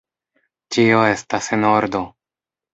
Ĉio estas en ordo!